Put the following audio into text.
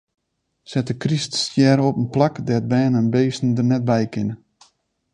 Set de kryststjer op in plak dêr't bern en bisten der net by kinne.